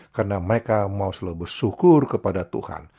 karena mereka mau selalu bersyukur kepada tuhan